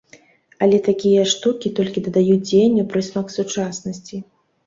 Але такія штукі толькі дадаюць дзеянню прысмак сучаснасці.